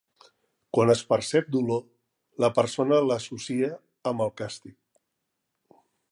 Quan es percep dolor, la persona l'associa amb el castic.